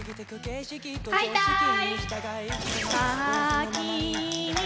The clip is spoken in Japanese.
ハイターイ。